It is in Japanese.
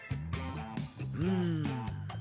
うん。